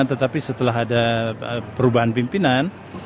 tetapi setelah ada perubahan pimpinan